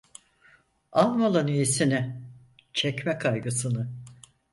Al malın iyisini, çekme kaygısını.